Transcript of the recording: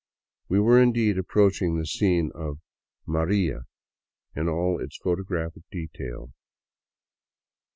We were indeed approaching the scene of " Maria " in all its photographic detail.